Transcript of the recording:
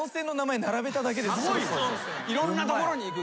いろんなところに行く。